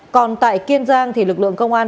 còn tại kiên giang thì lực lượng công an